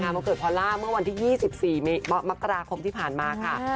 วันเกิดพอลล่าเมื่อวันที่๒๔มกราคมที่ผ่านมาค่ะ